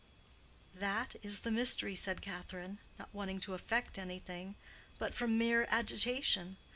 "That is the mystery," said Catherine, not wanting to affect anything, but from mere agitation.